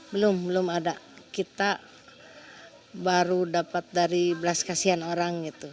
belum belum ada kita baru dapat dari belas kasihan orang gitu